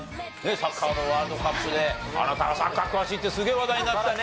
サッカーのワールドカップであなたがサッカー詳しいってすげえ話題になってたね。